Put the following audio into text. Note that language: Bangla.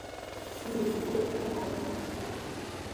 তিনি ইংরেজ এবং আইরিশ বংশোদ্ভূত।